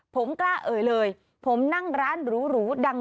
ผมกล้าเอ่ยเลยผมนั่งร้านหรูดัง